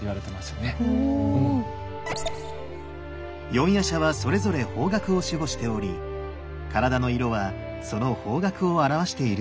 四夜叉はそれぞれ方角を守護しており体の色はその方角を表しているんです。